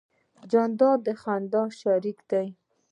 جانداد د خندا شریک دی.